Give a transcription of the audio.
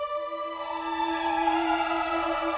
lo sudah nunggu